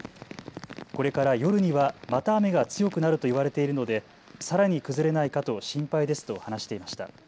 これから夜にはまた雨が強くなると言われているのでさらに崩れないかと心配ですと話していました。